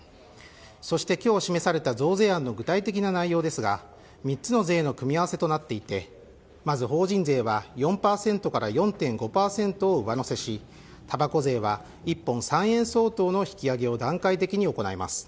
そして今日示された増税案の具体的な内容ですが３つの税の組み合わせとなっていてまず法人税は４％から４．５％を上乗せしたばこ税は１本３円相当の引き上げを段階的に行います。